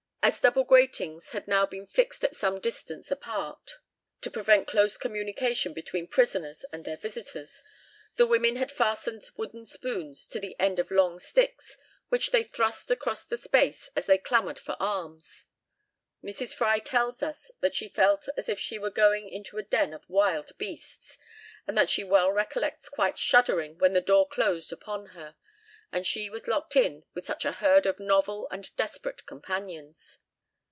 As double gratings had now been fixed at some distance apart to prevent close communication between prisoners and their visitors, the women had fastened wooden spoons to the end of long sticks, which they thrust across the space as they clamoured for alms. Mrs. Fry tells us that she felt as if she were going into a den of wild beasts, and that she well recollects quite shuddering when the door closed upon her, and she was locked in with such a herd of novel and desperate companions.